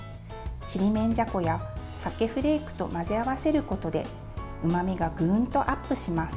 ちりめんじゃこやさけフレークと混ぜ合わせることでうまみがぐんとアップします。